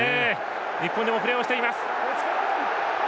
日本でもプレーしています。